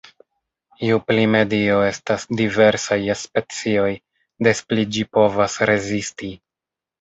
Ju pli medio estas diversa je specioj, des pli ĝi povas rezisti.